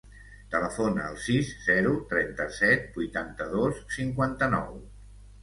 Telefona al sis, zero, trenta-set, vuitanta-dos, cinquanta-nou.